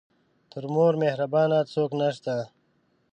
تر مور مهربانه څوک نه شته .